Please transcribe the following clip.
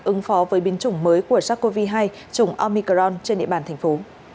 ứng phó với biến chủng mới của sars cov hai chủng omicron trên địa bàn thành phố